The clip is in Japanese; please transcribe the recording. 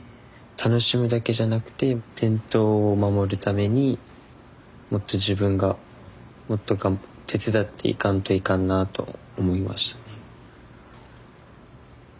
楽しむだけじゃなくて伝統を守るためにもっと自分がもっと手伝っていかんといかんなあと思いましたね。